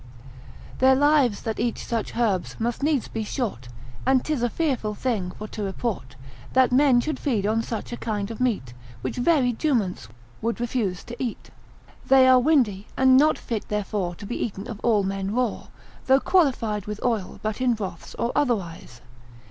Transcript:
Their lives, that eat such herbs, must needs be short, And 'tis a fearful thing for to report, That men should feed on such a kind of meat, Which very juments would refuse to eat. They are windy, and not fit therefore to be eaten of all men raw, though qualified with oil, but in broths, or otherwise.